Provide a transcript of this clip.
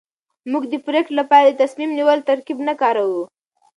موږ د پرېکړې لپاره د تصميم نيولو ترکيب نه کاروو.